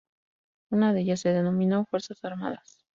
Una de ellas se denominó Fuerzas Armadas.